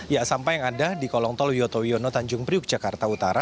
ya sampah yang ada di kolong tol wiyoto wiono tanjung priuk jakarta utara